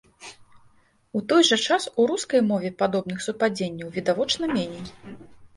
У той жа час, у рускай мове падобных супадзенняў відавочна меней.